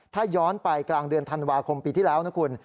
ถ้าย้อนไปกลางเดือนธันวาคมปีที่แล้วนะคุณ